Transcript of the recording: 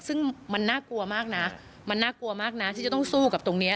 ซึ่งมันน่ากลัวมากนะมันน่ากลัวมากนะที่จะต้องสู้กับตรงนี้